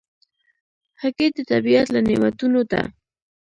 هګۍ د طبیعت له نعمتونو ده.